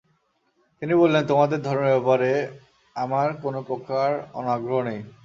তিনি বললেন, তোমাদের ধর্মের ব্যাপারে আমার কোন প্রকার অনাগ্রহ নেই।